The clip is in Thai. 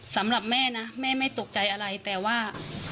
สำหรับแม่นะแม่ไม่ตกใจอะไรแต่ว่า